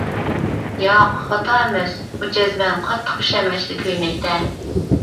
ياق، خاتا ئەمەس. ئۇ جەزمەن قاتتىق پۇشايمان ئىچىدە كۆيمەكتە!